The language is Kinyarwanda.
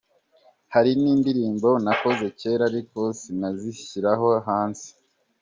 Hari n’indirimbo nakoze cyera ariko sinazishyira hanze.